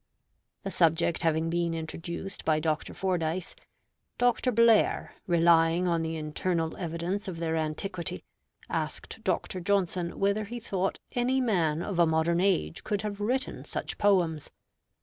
The subject having been introduced by Dr. Fordyce, Dr. Blair, relying on the internal evidence of their antiquity, asked Dr. Johnson whether he thought any man of a modern age could have written such poems.